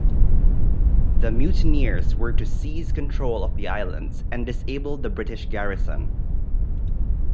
The mutineers were to seize control of the islands and disable the British garrison.